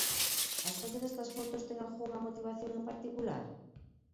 A escolla destas fotos ten algunha motivación en particular?